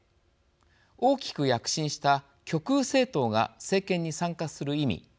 大きく躍進した極右政党が政権に参加する意味。